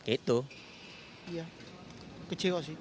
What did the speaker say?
iya kecewa sih